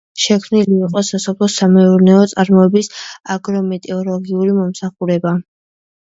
შექმნილი იყო სასოფლო-სამეურნეო წარმოების აგრომეტეოროლოგიური მომსახურება.